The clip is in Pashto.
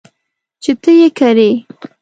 چې ته یې کرې .